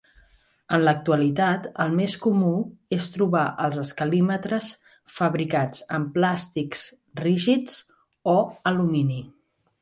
En l'actualitat el més comú és trobar els escalímetres fabricats amb plàstics rígids o alumini.